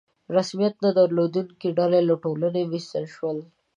رسمیت نه درلودونکي ډلې له ټولنې ویستل شول.